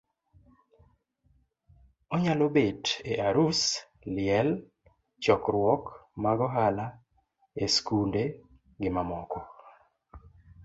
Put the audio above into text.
onyalo bet e arus, liel, chokruok mag ohala,e skunde gimamoko.